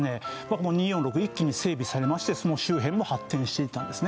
この２４６一気に整備されましてその周辺も発展していったんですね